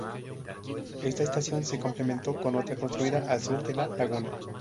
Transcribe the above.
Esta estación se complementó con otra construida al sur de la laguna.